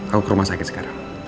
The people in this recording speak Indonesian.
kau ke rumah sakit sekarang